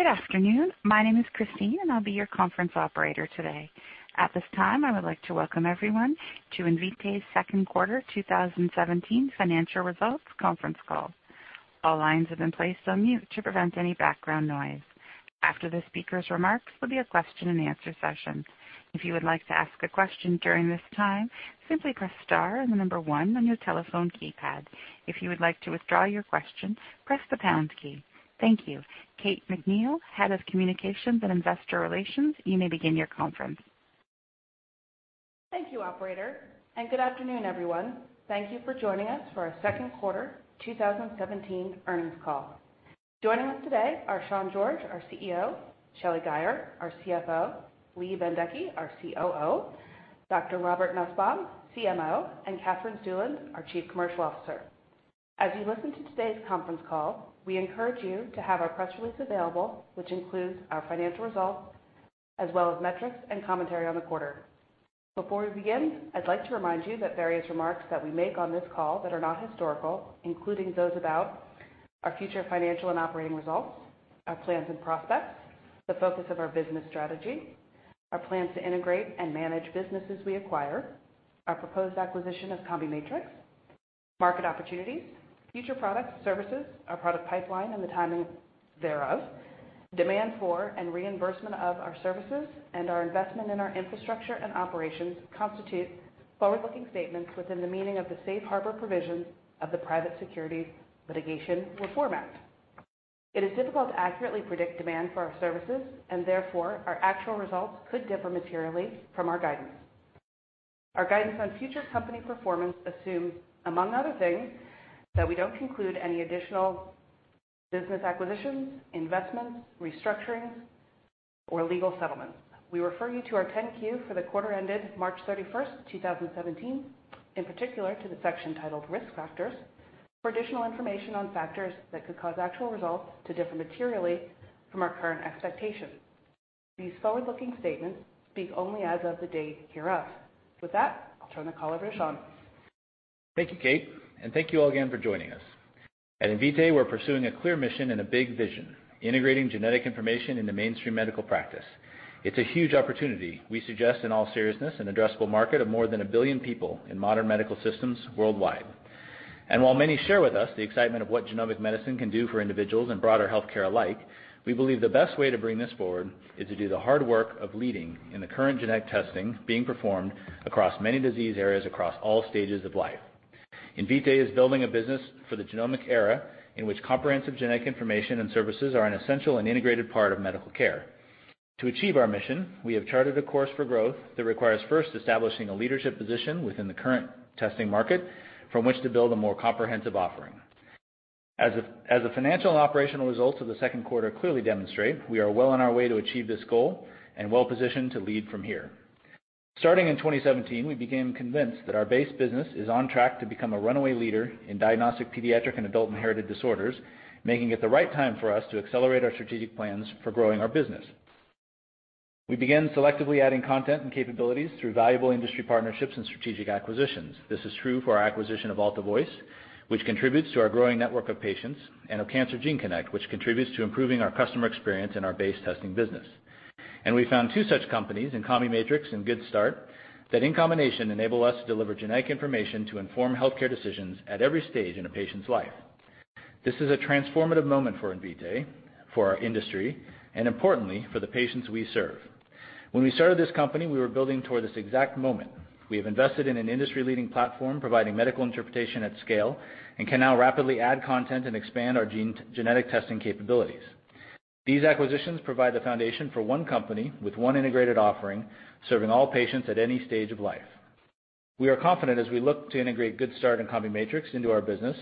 Good afternoon. My name is Christine, and I'll be your conference operator today. At this time, I would like to welcome everyone to Invitae's second quarter 2017 financial results conference call. All lines have been placed on mute to prevent any background noise. After the speakers' remarks, there'll be a question and answer session. If you would like to ask a question during this time, simply press star and the number 1 on your telephone keypad. If you would like to withdraw your question, press the pounds key. Thank you. Kate McNeil, Head of Communications and Investor Relations, you may begin your conference. Thank you, operator, and good afternoon, everyone. Thank you for joining us for our second quarter 2017 earnings call. Joining us today are Sean George, our CEO, Shelly Guyer, our CFO, Lee Bendekgey, our COO, Dr. Robert Nussbaum, CMO, and Katherine Stueland, our Chief Commercial Officer. As you listen to today's conference call, we encourage you to have our press release available, which includes our financial results as well as metrics and commentary on the quarter. Before we begin, I'd like to remind you that various remarks that we make on this call that are not historical, including those about our future financial and operating results, our plans and prospects, the focus of our business strategy, our plans to integrate and manage businesses we acquire, our proposed acquisition of CombiMatrix, market opportunities, future products, services, our product pipeline, and the timing thereof, demand for and reimbursement of our services, and our investment in our infrastructure and operations constitute forward-looking statements within the meaning of the safe harbor provisions of the Private Securities Litigation Reform Act. It is difficult to accurately predict demand for our services, and therefore, our actual results could differ materially from our guidance. Our guidance on future company performance assumes, among other things, that we don't conclude any additional business acquisitions, investments, restructurings, or legal settlements. We refer you to our 10-Q for the quarter ended March 31st, 2017, in particular to the section titled Risk Factors, for additional information on factors that could cause actual results to differ materially from our current expectations. These forward-looking statements speak only as of the date hereof. With that, I'll turn the call over to Sean. Thank you, Kate, and thank you all again for joining us. At Invitae, we're pursuing a clear mission and a big vision: integrating genetic information into mainstream medical practice. It's a huge opportunity. We suggest, in all seriousness, an addressable market of more than a billion people in modern medical systems worldwide. While many share with us the excitement of what genomic medicine can do for individuals and broader healthcare alike, we believe the best way to bring this forward is to do the hard work of leading in the current genetic testing being performed across many disease areas across all stages of life. Invitae is building a business for the genomic era in which comprehensive genetic information and services are an essential and integrated part of medical care. To achieve our mission, we have charted a course for growth that requires first establishing a leadership position within the current testing market from which to build a more comprehensive offering. As the financial and operational results of the second quarter clearly demonstrate, we are well on our way to achieve this goal and well-positioned to lead from here. Starting in 2017, we became convinced that our base business is on track to become a runaway leader in diagnostic pediatric and adult inherited disorders, making it the right time for us to accelerate our strategic plans for growing our business. We began selectively adding content and capabilities through valuable industry partnerships and strategic acquisitions. This is true for our acquisition of AltaVoice, which contributes to our growing network of patients, and of CancerGene Connect, which contributes to improving our customer experience in our base testing business. We found two such companies in CombiMatrix and Good Start that, in combination, enable us to deliver genetic information to inform healthcare decisions at every stage in a patient's life. This is a transformative moment for Invitae, for our industry, and importantly, for the patients we serve. When we started this company, we were building toward this exact moment. We have invested in an industry-leading platform providing medical interpretation at scale and can now rapidly add content and expand our genetic testing capabilities. These acquisitions provide the foundation for one company with one integrated offering, serving all patients at any stage of life. We are confident as we look to integrate Good Start and CombiMatrix into our business,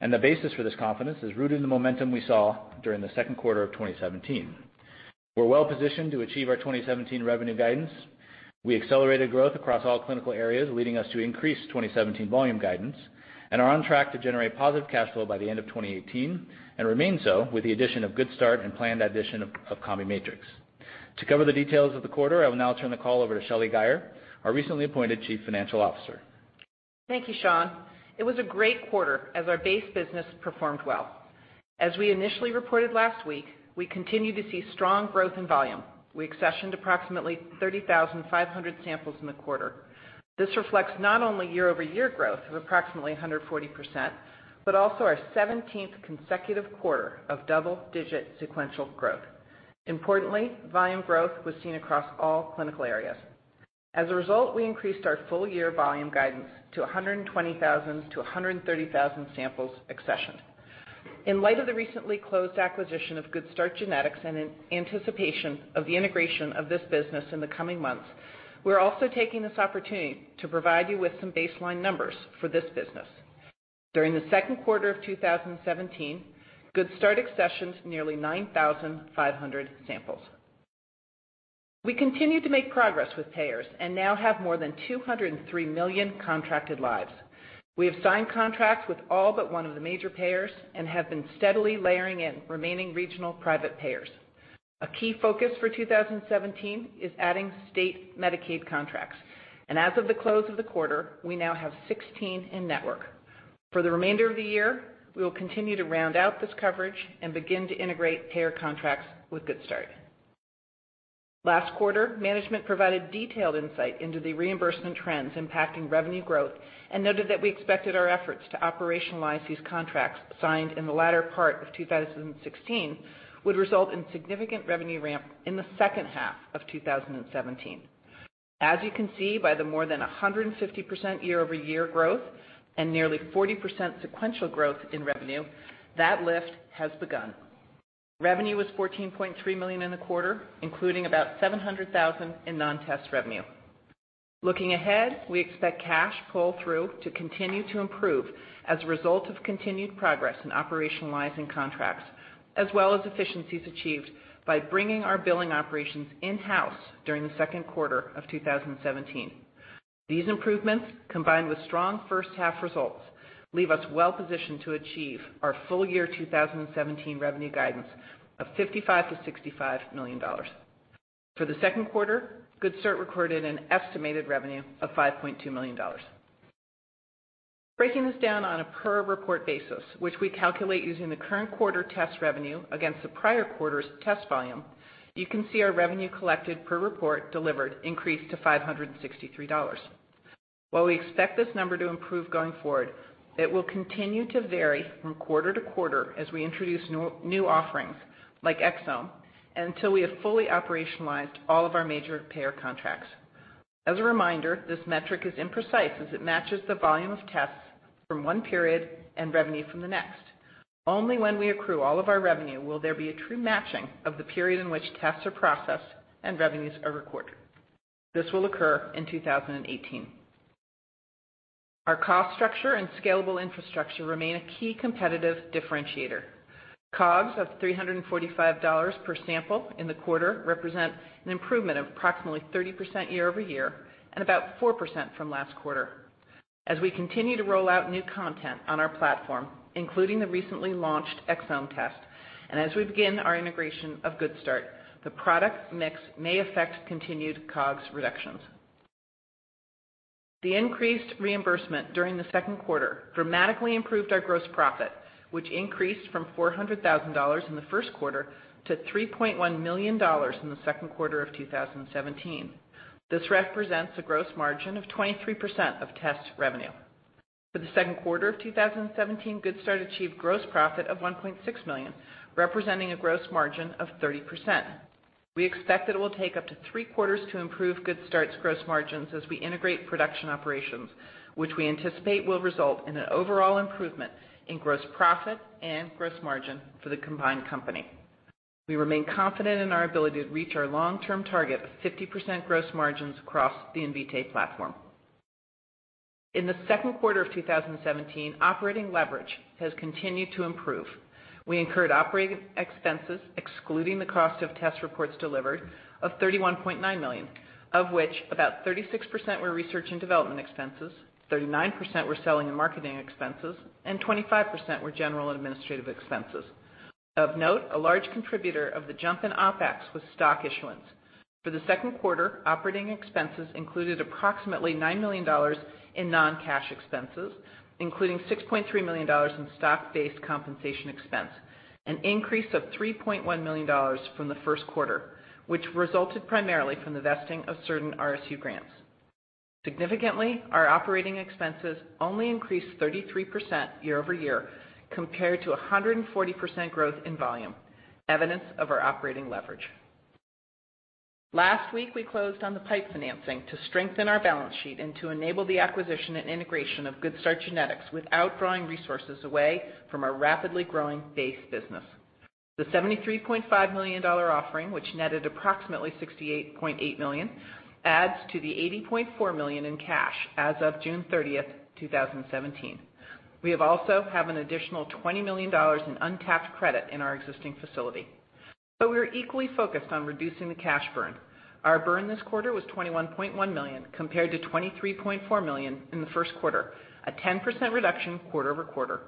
and the basis for this confidence is rooted in the momentum we saw during the second quarter of 2017. We're well-positioned to achieve our 2017 revenue guidance. We accelerated growth across all clinical areas, leading us to increase 2017 volume guidance, and are on track to generate positive cash flow by the end of 2018 and remain so with the addition of Good Start and planned addition of CombiMatrix. To cover the details of the quarter, I will now turn the call over to Shelly Guyer, our recently appointed Chief Financial Officer. Thank you, Sean. It was a great quarter as our base business performed well. As we initially reported last week, we continue to see strong growth in volume. We accessioned approximately 30,500 samples in the quarter. This reflects not only year-over-year growth of approximately 140% but also our 17th consecutive quarter of double-digit sequential growth. Importantly, volume growth was seen across all clinical areas. As a result, we increased our full-year volume guidance to 120,000 to 130,000 samples accessioned. In light of the recently closed acquisition of Good Start Genetics and in anticipation of the integration of this business in the coming months, we are also taking this opportunity to provide you with some baseline numbers for this business. During the second quarter of 2017, Good Start accessioned nearly 9,500 samples. We continue to make progress with payers and now have more than 203 million contracted lives. We have signed contracts with all but one of the major payers and have been steadily layering in remaining regional private payers. A key focus for 2017 is adding state Medicaid contracts. As of the close of the quarter, we now have 16 in network. For the remainder of the year, we will continue to round out this coverage and begin to integrate payer contracts with Good Start. Last quarter, management provided detailed insight into the reimbursement trends impacting revenue growth and noted that we expected our efforts to operationalize these contracts signed in the latter part of 2016 would result in significant revenue ramp in the second half of 2017. As you can see, by the more than 150% year-over-year growth and nearly 40% sequential growth in revenue, that lift has begun. Revenue was $14.3 million in the quarter, including about $700,000 in non-test revenue. Looking ahead, we expect cash pull-through to continue to improve as a result of continued progress in operationalizing contracts, as well as efficiencies achieved by bringing our billing operations in-house during the second quarter of 2017. These improvements, combined with strong first half results, leave us well positioned to achieve our full year 2017 revenue guidance of $55 million to $65 million. For the second quarter, Good Start recorded an estimated revenue of $5.2 million. Breaking this down on a per report basis, which we calculate using the current quarter test revenue against the prior quarter's test volume, you can see our revenue collected per report delivered increased to $563. While we expect this number to improve going forward, it will continue to vary from quarter to quarter as we introduce new offerings like Exome and until we have fully operationalized all of our major payer contracts. As a reminder, this metric is imprecise as it matches the volume of tests from one period and revenue from the next. Only when we accrue all of our revenue will there be a true matching of the period in which tests are processed and revenues are recorded. This will occur in 2018. Our cost structure and scalable infrastructure remain a key competitive differentiator. COGS of $345 per sample in the quarter represent an improvement of approximately 30% year-over-year and about 4% from last quarter. As we continue to roll out new content on our platform, including the recently launched Invitae Exome test, and as we begin our integration of Good Start Genetics, the product mix may affect continued COGS reductions. The increased reimbursement during the second quarter dramatically improved our gross profit, which increased from $400,000 in the first quarter to $3.1 million in the second quarter of 2017. This represents a gross margin of 23% of test revenue. For the second quarter of 2017, Good Start Genetics achieved gross profit of $1.6 million, representing a gross margin of 30%. We expect that it will take up to three quarters to improve Good Start Genetics' gross margins as we integrate production operations, which we anticipate will result in an overall improvement in gross profit and gross margin for the combined company. We remain confident in our ability to reach our long-term target of 50% gross margins across the Invitae platform. In the second quarter of 2017, operating leverage has continued to improve. We incurred operating expenses, excluding the cost of test reports delivered, of $31.9 million, of which about 36% were research and development expenses, 39% were selling and marketing expenses, and 25% were general and administrative expenses. Of note, a large contributor of the jump in OpEx was stock issuance. For the second quarter, operating expenses included approximately $9 million in non-cash expenses, including $6.3 million in stock-based compensation expense, an increase of $3.1 million from the first quarter, which resulted primarily from the vesting of certain RSU grants. Significantly, our operating expenses only increased 33% year-over-year compared to 140% growth in volume, evidence of our operating leverage. Last week, we closed on the PIPE financing to strengthen our balance sheet and to enable the acquisition and integration of Good Start Genetics without drawing resources away from our rapidly growing base business. The $73.5 million offering, which netted approximately $68.8 million, adds to the $80.4 million in cash as of June 30th, 2017. We have also have an additional $20 million in untapped credit in our existing facility. We are equally focused on reducing the cash burn. Our burn this quarter was $21.1 million, compared to $23.4 million in the first quarter, a 10% reduction quarter-over-quarter.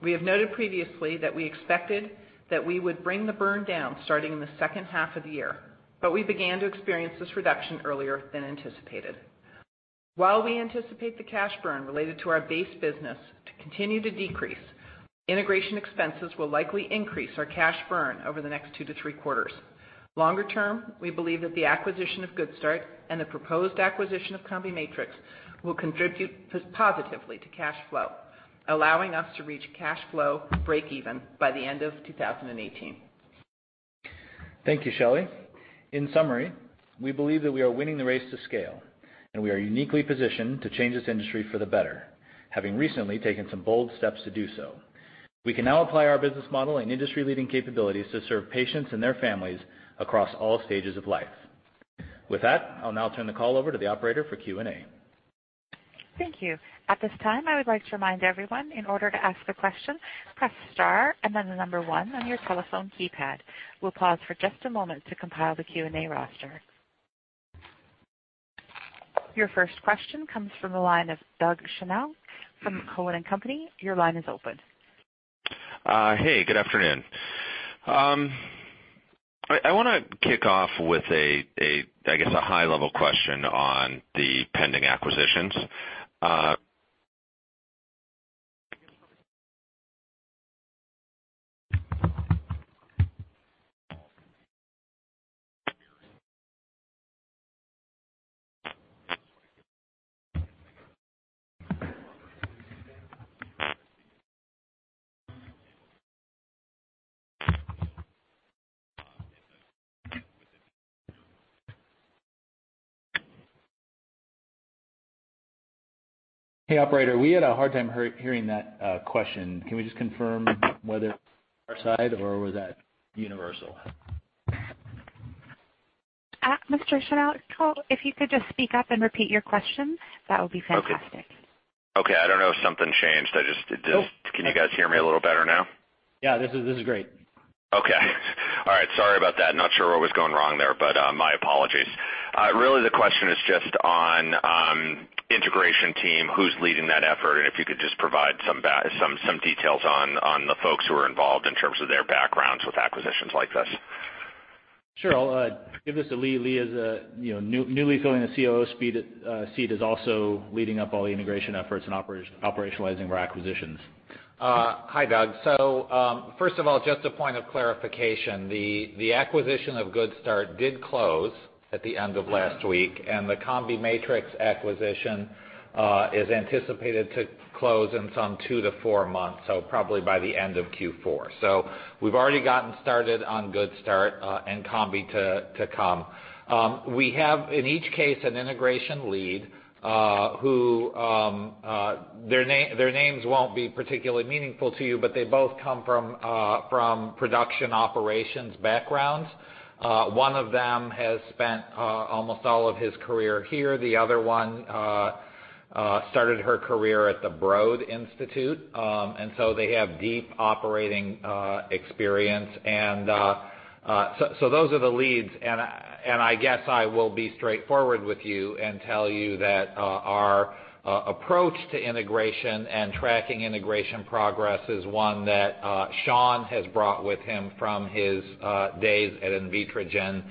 We have noted previously that we expected that we would bring the burn down starting in the second half of the year, but we began to experience this reduction earlier than anticipated. While we anticipate the cash burn related to our base business to continue to decrease, integration expenses will likely increase our cash burn over the next two to three quarters. Longer term, we believe that the acquisition of Good Start Genetics and the proposed acquisition of CombiMatrix will contribute positively to cash flow, allowing us to reach cash flow breakeven by the end of 2018. Thank you, Shelly. In summary, we believe that we are winning the race to scale, and we are uniquely positioned to change this industry for the better, having recently taken some bold steps to do so. We can now apply our business model and industry-leading capabilities to serve patients and their families across all stages of life. With that, I'll now turn the call over to the operator for Q&A. Thank you. At this time, I would like to remind everyone, in order to ask a question, press star and then the number one on your telephone keypad. We'll pause for just a moment to compile the Q&A roster. Your first question comes from the line of Doug Schenkel from Cowen and Company. Your line is open. Hey, good afternoon. I want to kick off with, I guess, a high-level question on the pending acquisitions. Hey, operator. We had a hard time hearing that question. Can we just confirm whether it's our side or was that universal? Mr. Schenkel, if you could just speak up and repeat your question, that would be fantastic. Okay. I don't know if something changed. Can you guys hear me a little better now? Yeah. This is great. Okay. All right. Sorry about that. Not sure what was going wrong there, but my apologies. Really, the question is just on integration team, who's leading that effort, and if you could just provide some details on the folks who are involved in terms of their backgrounds with acquisitions like this. Sure. I'll give this to Lee. Lee is newly filling the COO seat, is also leading up all the integration efforts and operationalizing our acquisitions. Hi, Doug. First of all, just a point of clarification. The acquisition of Good Start did close at the end of last week, and the CombiMatrix acquisition is anticipated to close in some two to four months, so probably by the end of Q4. We've already gotten started on Good Start and Combi to come. We have, in each case, an integration lead who, their names won't be particularly meaningful to you, but they both come from production operations backgrounds. One of them has spent almost all of his career here. The other one started her career at the Broad Institute. They have deep operating experience. Those are the leads. I guess I will be straightforward with you and tell you that our approach to integration and tracking integration progress is one that Sean has brought with him from his days at Invitrogen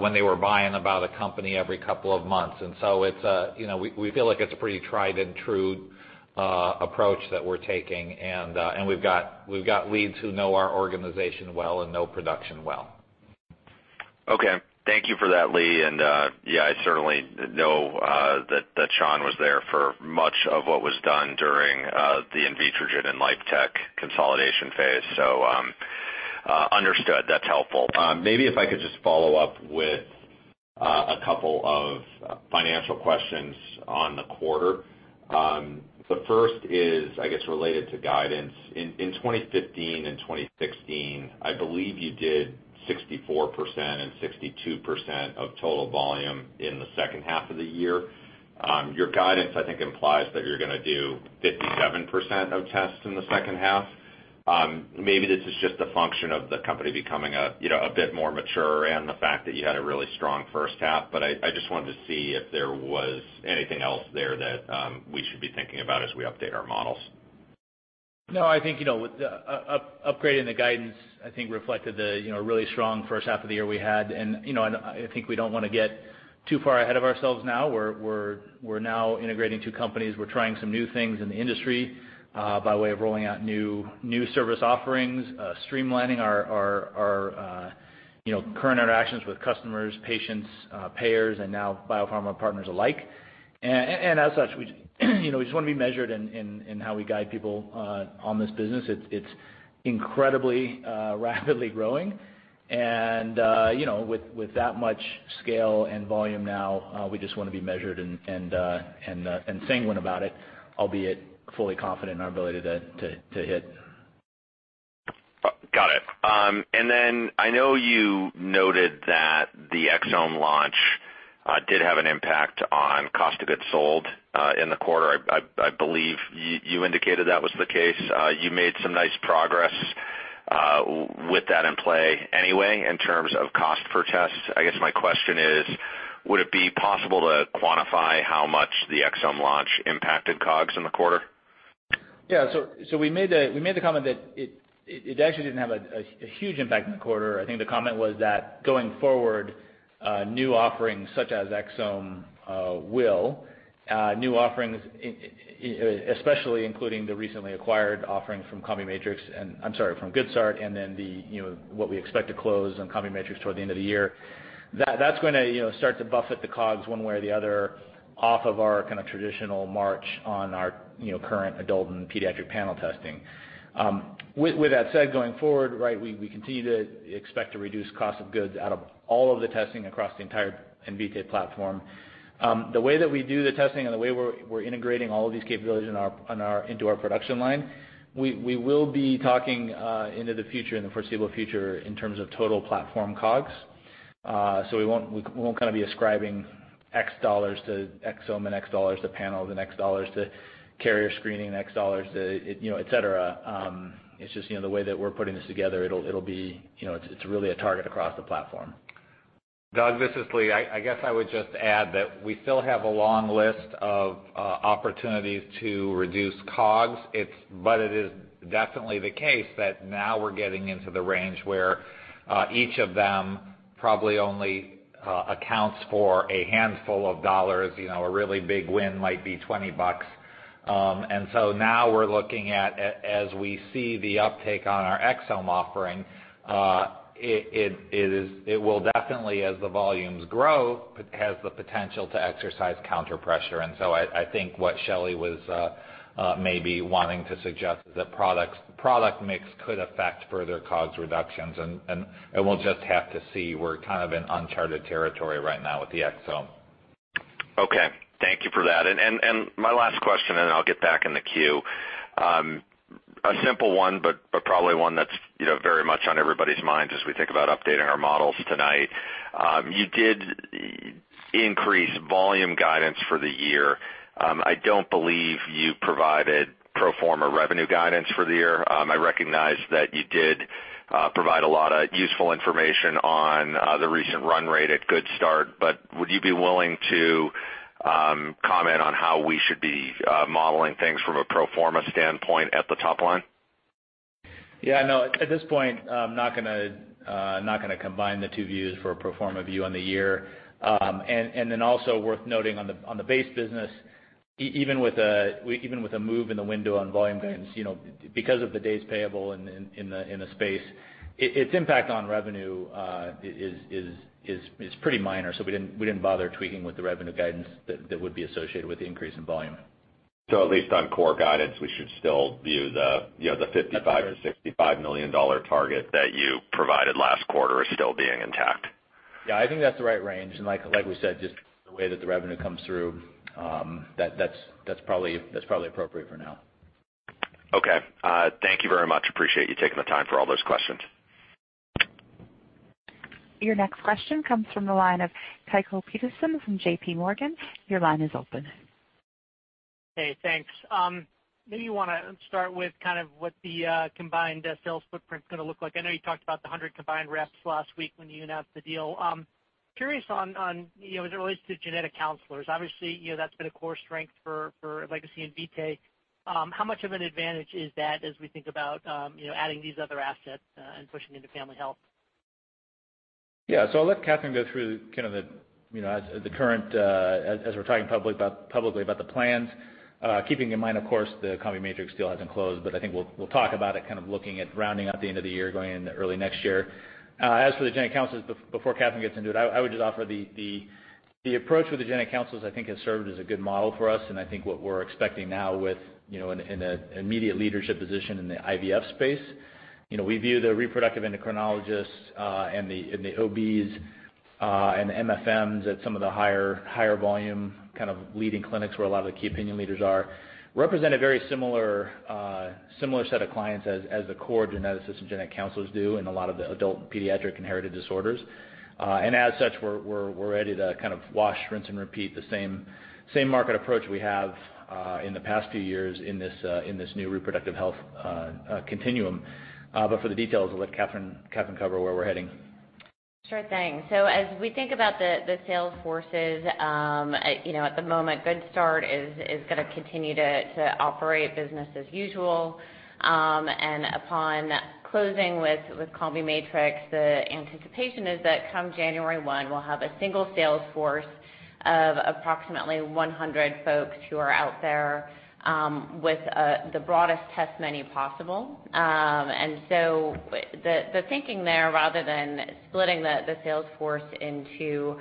when they were buying about a company every couple of months. We feel like it's a pretty tried and true approach that we're taking. We've got leads who know our organization well and know production well. Okay. Thank you for that, Lee. Yeah, I certainly know that Sean was there for much of what was done during the Invitrogen and Life Technologies consolidation phase. Understood. That's helpful. Maybe if I could just follow up with a couple of financial questions on the quarter. The first is, I guess, related to guidance. In 2015 and 2016, I believe you did 64% and 62% of total volume in the second half of the year. Your guidance, I think, implies that you're going to do 57% of tests in the second half. Maybe this is just a function of the company becoming a bit more mature and the fact that you had a really strong first half. I just wanted to see if there was anything else there that we should be thinking about as we update our models. No, I think, upgrading the guidance, I think reflected the really strong first half of the year we had. I think we don't want to get too far ahead of ourselves now. We're now integrating two companies. We're trying some new things in the industry by way of rolling out new service offerings, streamlining our current interactions with customers, patients, payers, and now biopharma partners alike. As such, we just want to be measured in how we guide people on this business. It's incredibly, rapidly growing. With that much scale and volume now, we just want to be measured and sanguine about it, albeit fully confident in our ability to hit. Got it. Then I know you noted that the Exome launch did have an impact on cost of goods sold in the quarter. I believe you indicated that was the case. You made some nice progress with that in play anyway, in terms of cost per test. I guess my question is, would it be possible to quantify how much the Exome launch impacted COGS in the quarter? Yeah. We made the comment that it actually didn't have a huge impact in the quarter. I think the comment was that going forward, new offerings such as Exome will. New offerings, especially including the recently acquired offerings from CombiMatrix, I'm sorry, from Good Start, and then what we expect to close on CombiMatrix toward the end of the year. That's going to start to buffet the COGS one way or the other off of our kind of traditional march on our current adult and pediatric panel testing. With that said, going forward, we continue to expect to reduce cost of goods out of all of the testing across the entire Invitae platform. The way that we do the testing and the way we're integrating all of these capabilities into our production line, we will be talking into the future, in the foreseeable future, in terms of total platform COGS. We won't kind of be ascribing X $ to exome and X $ to panel and X $ to carrier screening, X $ to et cetera. It's just the way that we're putting this together, it's really a target across the platform. Doug, this is Lee. I guess I would just add that we still have a long list of opportunities to reduce COGS. It is definitely the case that now we're getting into the range where each of them probably only accounts for a handful of $. A really big win might be $20. Now we're looking at, as we see the uptake on our exome offering, it will definitely, as the volumes grow, has the potential to exercise counter-pressure. I think what Shelly was maybe wanting to suggest is that product mix could affect further COGS reductions, and we'll just have to see. We're kind of in uncharted territory right now with the exome. Okay. Thank you for that. My last question, and then I'll get back in the queue. A simple one, but probably one that's very much on everybody's minds as we think about updating our models tonight. You did increase volume guidance for the year. I don't believe you provided pro forma revenue guidance for the year. I recognize that you did provide a lot of useful information on the recent run rate at Good Start, but would you be willing to comment on how we should be modeling things from a pro forma standpoint at the top line? Yeah, no. At this point, I'm not going to combine the two views for a pro forma view on the year. Also worth noting on the base business, even with a move in the window on volume guidance, because of the days payable in the space, its impact on revenue is pretty minor, so we didn't bother tweaking with the revenue guidance that would be associated with the increase in volume. At least on core guidance, we should still view the $55 million-$65 million target that you provided last quarter as still being intact? Yeah, I think that's the right range. Like we said, just the way that the revenue comes through, that's probably appropriate for now. Okay. Thank you very much. Appreciate you taking the time for all those questions. Your next question comes from the line of Tycho Peterson from J.P. Morgan. Your line is open. Hey, thanks. Maybe want to start with kind of what the combined sales footprint's going to look like. I know you talked about the 100 combined reps last week when you announced the deal. Curious on, as it relates to genetic counselors, obviously, that's been a core strength for Legacy Invitae. How much of an advantage is that as we think about adding these other assets and pushing into family health? Yeah. I'll let Katherine go through kind of the current, as we're talking publicly about the plans, keeping in mind, of course, the CombiMatrix deal hasn't closed, but I think we'll talk about it, kind of looking at rounding out the end of the year, going into early next year. As for the genetic counselors, before Katherine gets into it, I would just offer the approach with the genetic counselors I think has served as a good model for us, and I think what we're expecting now with in an immediate leadership position in the IVF space. We view the reproductive endocrinologists, and the OBs, and the MFMs at some of the higher volume kind of leading clinics where a lot of the key opinion leaders are, represent a very similar set of clients as the core geneticists and genetic counselors do in a lot of the adult pediatric inherited disorders. As such, we're ready to kind of wash, rinse, and repeat the same market approach we have in the past few years in this new reproductive health continuum. For the details, I'll let Katherine cover where we're heading. Sure thing. As we think about the sales forces, at the moment, Good Start is going to continue to operate business as usual. Upon closing with CombiMatrix, the anticipation is that come January 1, we'll have a single sales force of approximately 100 folks who are out there, with the broadest test menu possible. The thinking there, rather than splitting the sales force into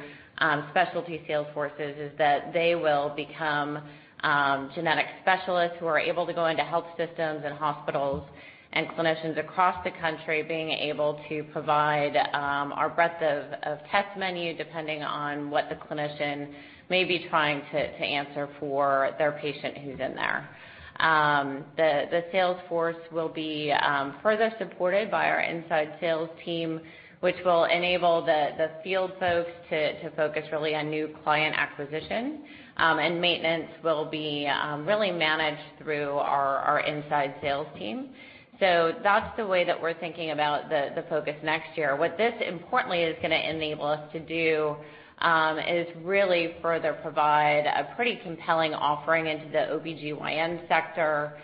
specialty sales forces, is that they will become genetic specialists who are able to go into health systems and hospitals, and clinicians across the country being able to provide our breadth of test menu, depending on what the clinician may be trying to answer for their patient who's in there. The sales force will be further supported by our inside sales team, which will enable the field folks to focus really on new client acquisition. Maintenance will be really managed through our inside sales team. That's the way that we're thinking about the focus next year. What this importantly is going to enable us to do is really further provide a pretty compelling offering into the OBGYN sector,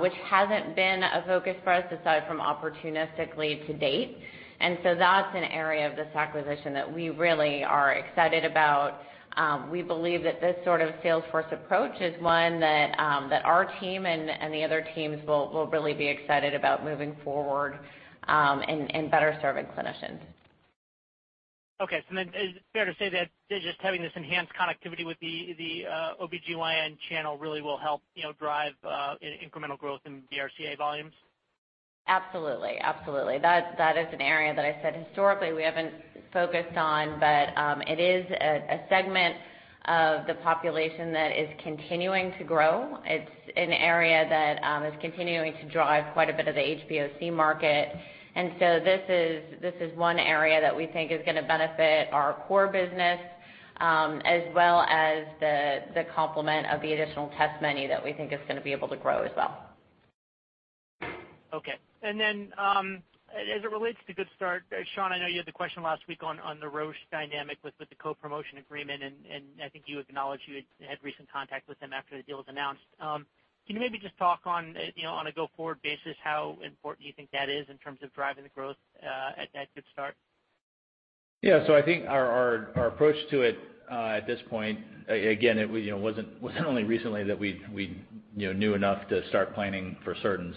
which hasn't been a focus for us aside from opportunistically to date. That's an area of this acquisition that we really are excited about. We believe that this sort of sales force approach is one that our team and the other teams will really be excited about moving forward, and better serving clinicians. Okay. Is it fair to say that just having this enhanced connectivity with the OBGYN channel really will help drive incremental growth in the RCA volumes? Absolutely. That is an area that I said historically we haven't focused on, but it is a segment of the population that is continuing to grow. It's an area that is continuing to drive quite a bit of the HBOC market. This is one area that we think is going to benefit our core business, as well as the complement of the additional test menu that we think is going to be able to grow as well. Okay. As it relates to Good Start, Sean, I know you had the question last week on the Roche dynamic with the co-promotion agreement, and I think you acknowledged you had recent contact with them after the deal was announced. Can you maybe just talk on a go-forward basis how important you think that is in terms of driving the growth at Good Start? Yeah. I think our approach to it at this point, again, it was only recently that we knew enough to start planning for certain.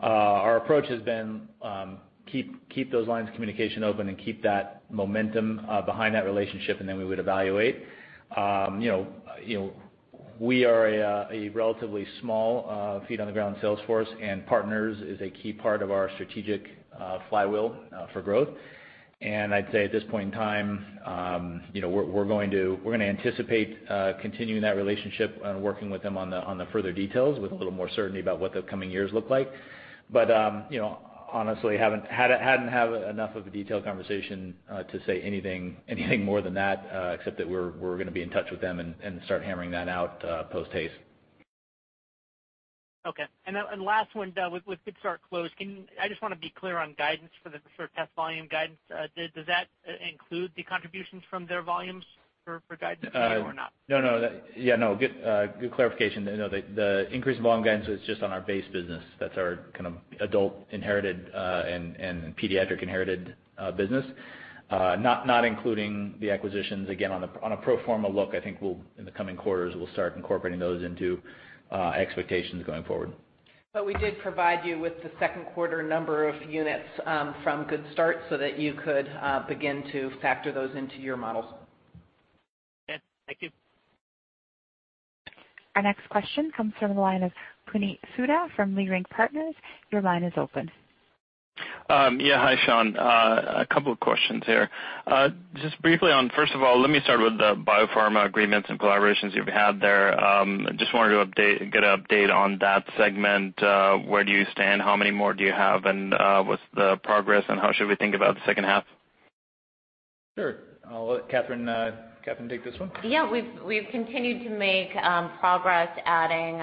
Our approach has been to keep those lines of communication open and keep that momentum behind that relationship. Then we would evaluate. We are a relatively small feet-on-the-ground sales force, and partners is a key part of our strategic flywheel for growth. I'd say at this point in time, we're going to anticipate continuing that relationship and working with them on the further details with a little more certainty about what the coming years look like. Honestly, hadn't had enough of a detailed conversation to say anything more than that, except that we're going to be in touch with them and start hammering that out posthaste. Okay. Last one, with Good Start closed, I just want to be clear on guidance for the test volume guidance. Does that include the contributions from their volumes for guidance or not? No. Good clarification. No, the increased volume guidance is just on our base business. That's our adult inherited and pediatric inherited business. Not including the acquisitions. Again, on a pro forma look, I think in the coming quarters, we'll start incorporating those into expectations going forward. We did provide you with the second quarter number of units from Good Start so that you could begin to factor those into your models. Okay. Thank you. Our next question comes from the line of Puneet Souda from Leerink Partners. Your line is open. Yeah. Hi, Sean. A couple of questions here. Just briefly on, first of all, let me start with the biopharma agreements and collaborations you've had there. Just wanted to get an update on that segment. Where do you stand? How many more do you have, and what's the progress, and how should we think about the second half? Sure. I'll let Katherine take this one. Yeah. We've continued to make progress adding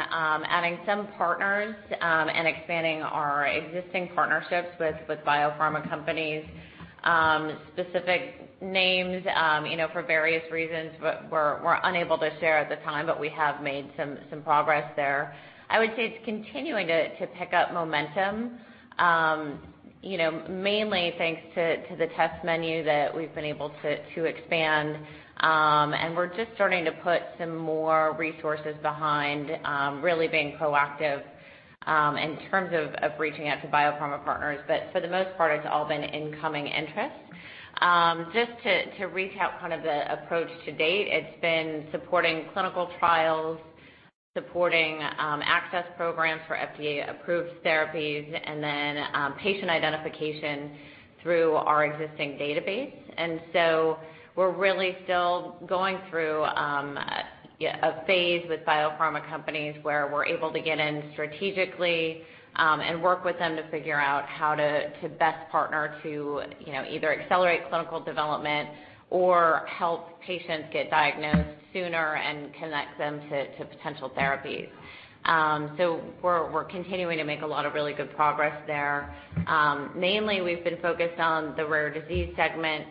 some partners and expanding our existing partnerships with biopharma companies. Specific names, for various reasons, we're unable to share at the time, but we have made some progress there. I would say it's continuing to pick up momentum, mainly thanks to the test menu that we've been able to expand. We're just starting to put some more resources behind really being proactive in terms of reaching out to biopharma partners. For the most part, it's all been incoming interest. Just to recap the approach to date, it's been supporting clinical trials, supporting access programs for FDA-approved therapies, and then patient identification through our existing database. We're really still going through a phase with biopharma companies where we're able to get in strategically and work with them to figure out how to best partner to either accelerate clinical development or help patients get diagnosed sooner and connect them to potential therapies. We're continuing to make a lot of really good progress there. Mainly, we've been focused on the rare disease segment.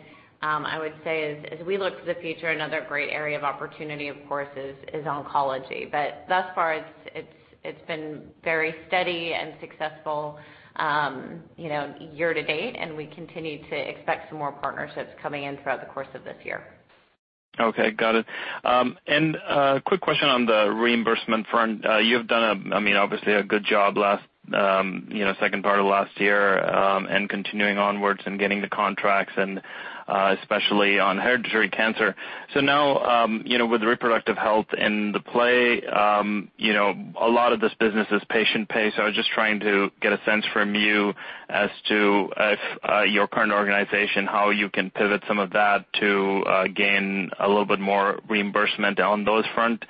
I would say, as we look to the future, another great area of opportunity, of course, is oncology. Thus far, it's been very steady and successful year to date, and we continue to expect some more partnerships coming in throughout the course of this year. Okay. Got it. A quick question on the reimbursement front. You have done, obviously, a good job second part of last year and continuing onwards and getting the contracts, and especially on hereditary cancer. Now, with reproductive health in the play, a lot of this business is patient pay. I was just trying to get a sense from you as to if your current organization, how you can pivot some of that to gain a little bit more reimbursement on those front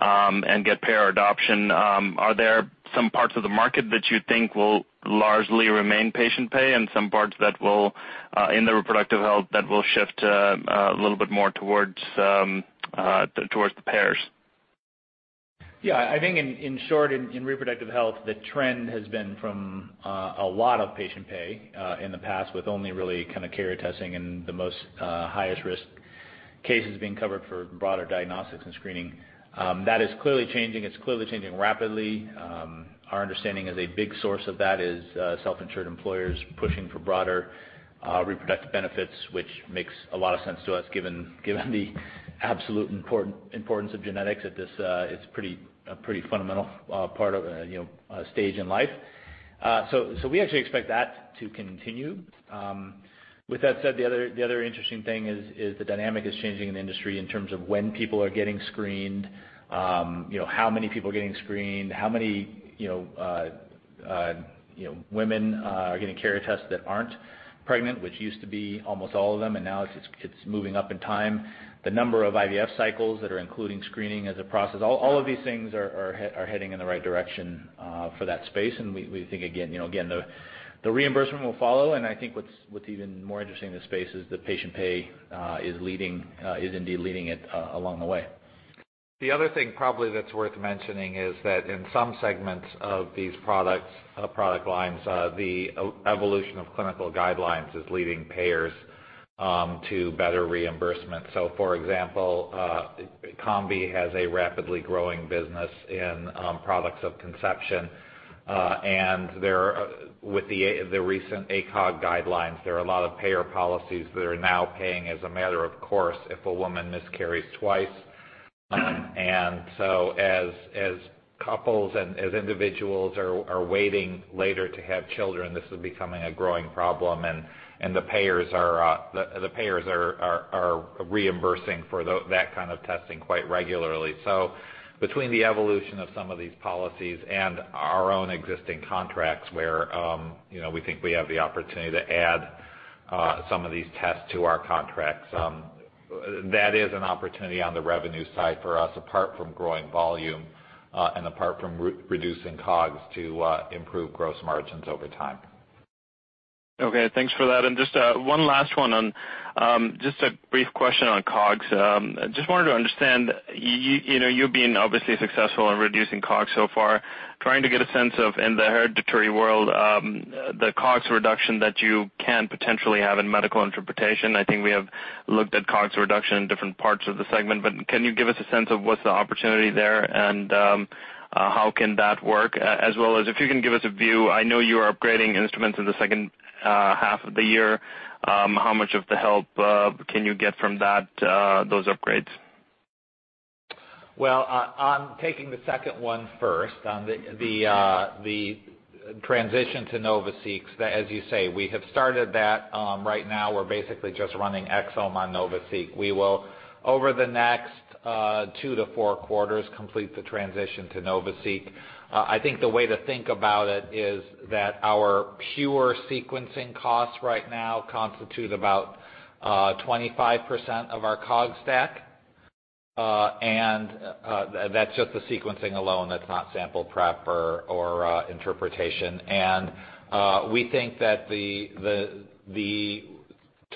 and get payer adoption. Are there some parts of the market that you think will largely remain patient pay and some parts in the reproductive health that will shift a little bit more towards the payers? Yeah. I think in short, in reproductive health, the trend has been from a lot of patient pay in the past with only really carrier testing and the most highest risk cases being covered for broader diagnostics and screening. That is clearly changing. It's clearly changing rapidly. Our understanding is a big source of that is self-insured employers pushing for broader reproductive benefits, which makes a lot of sense to us given the absolute importance of genetics. It's a pretty fundamental stage in life. We actually expect that to continue. With that said, the other interesting thing is the dynamic is changing in the industry in terms of when people are getting screened, how many people are getting screened, how many women are getting carrier tests that aren't pregnant, which used to be almost all of them, and now it's moving up in time. The number of IVF cycles that are including screening as a process. All of these things are heading in the right direction for that space. We think, again, the reimbursement will follow. I think what's even more interesting in this space is that patient pay is indeed leading it along the way. The other thing probably that's worth mentioning is that in some segments of these product lines, the evolution of clinical guidelines is leading payers to better reimbursement. For example, Combi has a rapidly growing business in products of conception. With the recent ACOG guidelines, there are a lot of payer policies that are now paying as a matter of course, if a woman miscarries twice. As couples and as individuals are waiting later to have children, this is becoming a growing problem, and the payers are reimbursing for that kind of testing quite regularly. Between the evolution of some of these policies and our own existing contracts where we think we have the opportunity to add some of these tests to our contracts, that is an opportunity on the revenue side for us apart from growing volume and apart from reducing COGS to improve gross margins over time. Okay. Thanks for that. Just one last one on just a brief question on COGS. Just wanted to understand, you being obviously successful in reducing COGS so far, trying to get a sense of, in the hereditary world, the COGS reduction that you can potentially have in medical interpretation. I think we have looked at COGS reduction in different parts of the segment, but can you give us a sense of what's the opportunity there and how can that work? As well as if you can give us a view, I know you are upgrading instruments in the second half of the year. How much of the help can you get from those upgrades? Well, on taking the second one first on the transition to NovaSeq, as you say, we have started that. Right now we're basically just running exome on NovaSeq. We will, over the next two to four quarters, complete the transition to NovaSeq. I think the way to think about it is that our pure sequencing costs right now constitute about 25% of our COGS stack. That's just the sequencing alone, that's not sample prep or interpretation. We think that the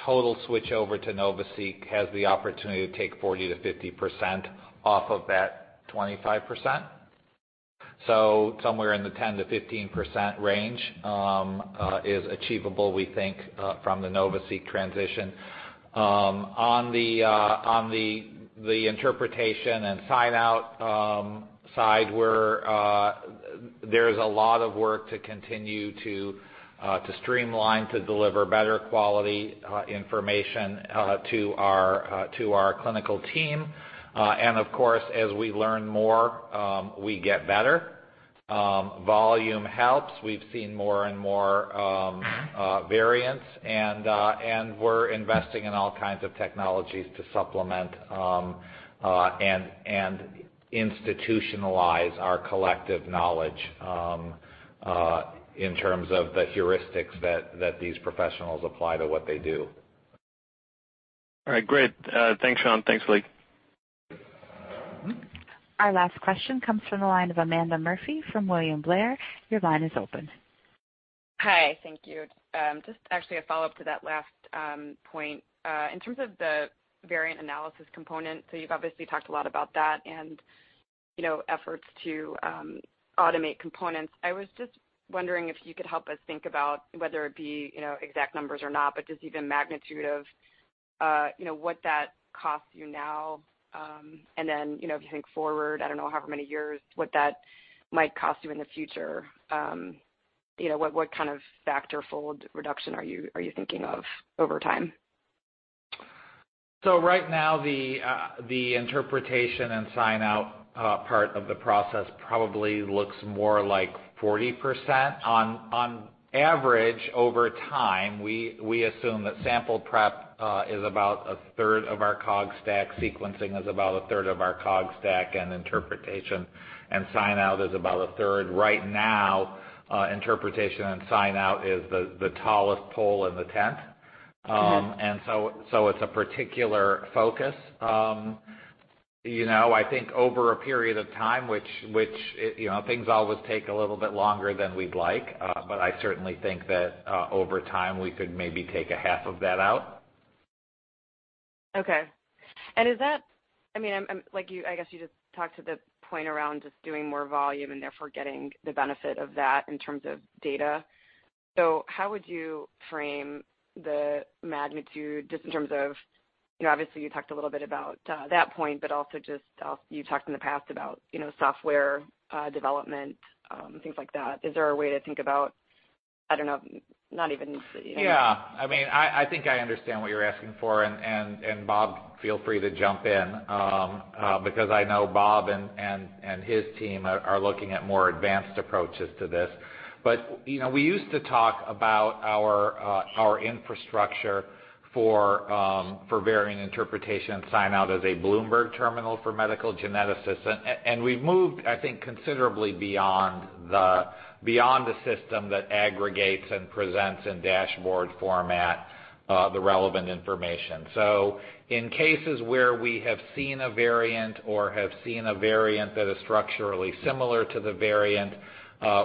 total switch over to NovaSeq has the opportunity to take 40%-50% off of that 25%. Somewhere in the 10%-15% range is achievable, we think, from the NovaSeq transition. On the interpretation and sign-out side, there's a lot of work to continue to streamline to deliver better quality information to our clinical team. Of course, as we learn more, we get better. Volume helps. We've seen more and more variants, and we're investing in all kinds of technologies to supplement and institutionalize our collective knowledge in terms of the heuristics that these professionals apply to what they do. All right, great. Thanks, Sean. Thanks, Lee. Our last question comes from the line of Amanda Murphy from William Blair. Your line is open. Hi. Thank you. Just actually a follow-up to that last point. In terms of the variant analysis component, you've obviously talked a lot about that and efforts to automate components. I was just wondering if you could help us think about whether it be exact numbers or not, but just even magnitude of what that costs you now. If you think forward, I don't know however many years, what that might cost you in the future. What kind of factor fold reduction are you thinking of over time? Right now, the interpretation and sign-out part of the process probably looks more like 40%. On average, over time, we assume that sample prep is about a third of our COGS stack, sequencing is about a third of our COGS stack, and interpretation and sign-out is about a third. Right now, interpretation and sign-out is the tallest pole in the tent. It's a particular focus. I think over a period of time, which things always take a little bit longer than we'd like, but I certainly think that over time we could maybe take a half of that out. Okay. I guess you just talked to the point around just doing more volume and therefore getting the benefit of that in terms of data. How would you frame the magnitude, just in terms of, obviously you talked a little bit about that point, but also just you talked in the past about software development, things like that. Is there a way to think about, I don't know, not even. Yeah. I think I understand what you're asking for, Bob, feel free to jump in, because I know Bob and his team are looking at more advanced approaches to this. We used to talk about our infrastructure for variant interpretation and sign-out as a Bloomberg terminal for medical geneticists. We've moved, I think, considerably beyond the system that aggregates and presents in dashboard format the relevant information. In cases where we have seen a variant or have seen a variant that is structurally similar to the variant,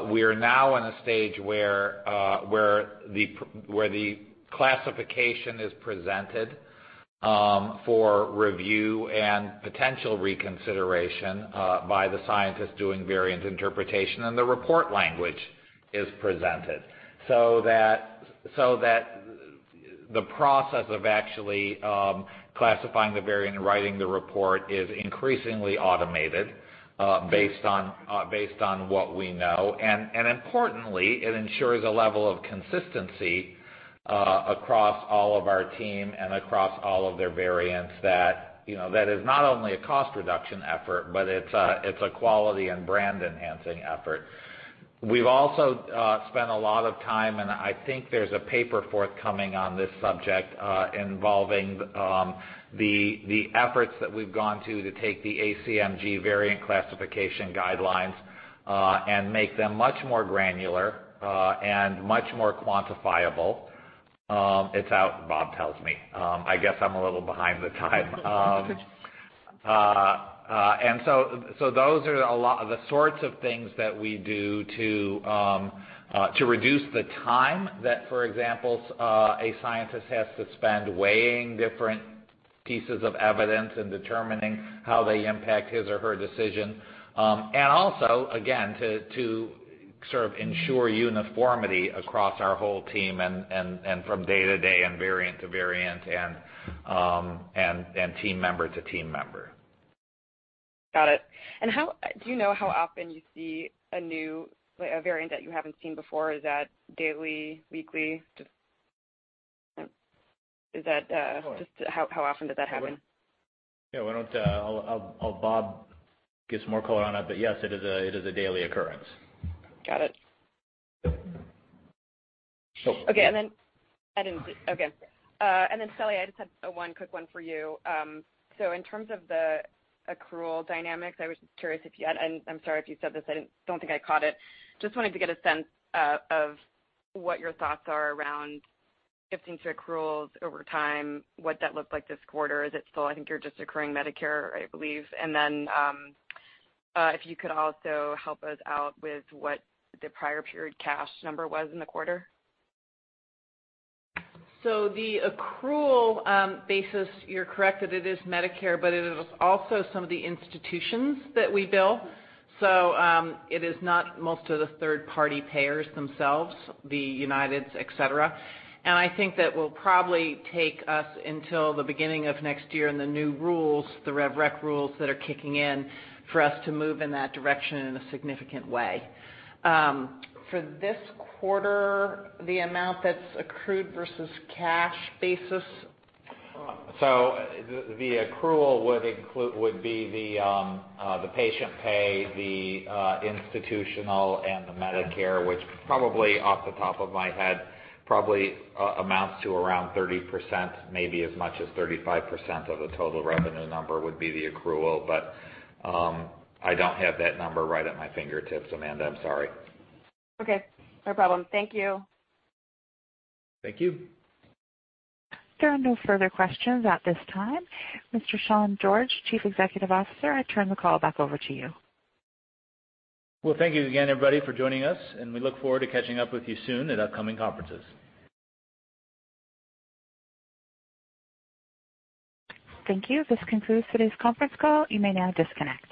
we are now in a stage where the classification is presented for review and potential reconsideration by the scientists doing variant interpretation, and the report language is presented. The process of actually classifying the variant and writing the report is increasingly automated based on what we know. Importantly, it ensures a level of consistency across all of our team and across all of their variants that is not only a cost reduction effort, but it's a quality and brand-enhancing effort. We've also spent a lot of time, and I think there's a paper forthcoming on this subject, involving the efforts that we've gone to to take the ACMG variant classification guidelines and make them much more granular and much more quantifiable. It's out, Bob tells me. I guess I'm a little behind the time. So those are the sorts of things that we do to reduce the time that, for example, a scientist has to spend weighing different pieces of evidence and determining how they impact his or her decision. Also, again, to ensure uniformity across our whole team and from day to day and variant to variant and team member to team member. Got it. Do you know how often you see a variant that you haven't seen before? Is that daily, weekly? Just how often does that happen? Yeah. I'll have Bob give some more color on it. Yes, it is a daily occurrence. Got it. Sure. Okay. Shelly, I just had one quick one for you. In terms of the accrual dynamics, I was just curious if you had, and I'm sorry if you said this, I don't think I caught it. Just wanted to get a sense of what your thoughts are around shifting to accruals over time. What that looked like this quarter. Is it still, I think you're just accruing Medicare, I believe. If you could also help us out with what the prior period cash number was in the quarter. The accrual basis, you're correct that it is Medicare, but it is also some of the institutions that we bill. It is not most of the third-party payers themselves, the UnitedHealthcare, et cetera. I think that will probably take us until the beginning of next year and the new rules, the rev rec rules that are kicking in, for us to move in that direction in a significant way. For this quarter, the amount that's accrued versus cash basis The accrual would be the patient pay, the institutional, and the Medicare, which probably off the top of my head, probably amounts to around 30%, maybe as much as 35% of the total revenue number would be the accrual. I don't have that number right at my fingertips, Amanda, I'm sorry. Okay. No problem. Thank you. Thank you. There are no further questions at this time. Mr. Sean George, Chief Executive Officer, I turn the call back over to you. Well, thank you again, everybody, for joining us, and we look forward to catching up with you soon at upcoming conferences. Thank you. This concludes today's conference call. You may now disconnect.